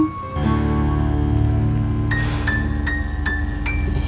terus gimana atukang